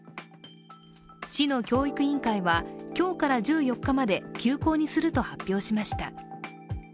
市の教育委員会は、今日から１４日まで休校にすると発表しました。